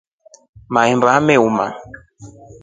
Maemba yameoma.